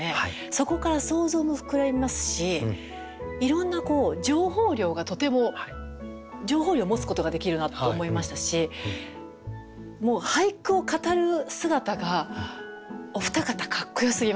そこから想像も膨らみますしいろんな情報量がとても情報量を持つことができるなと思いましたしもう俳句を語る姿がお二方かっこよすぎます。